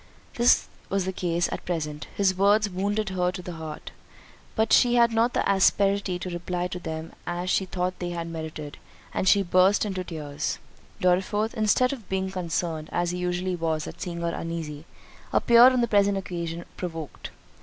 This was the case at present—his words wounded her to the heart, but she had not the asperity to reply to them as she thought they merited, and she burst into tears. Dorriforth, instead of being concerned, as he usually was at seeing her uneasy, appeared on the present occasion provoked.